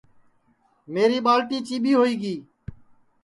میری ٻالٹی چیٻی ہوئی گی